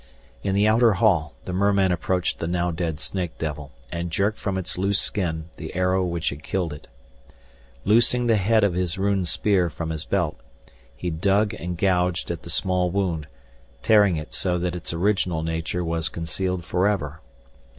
In the outer hall the merman approached the now dead snake devil and jerked from its loose skin the arrow which had killed it. Loosing the head of his ruined spear from his belt, he dug and gouged at the small wound, tearing it so that its original nature was concealed forever.